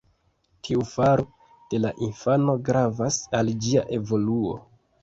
Tiu faro de la infano gravas al ĝia evoluo.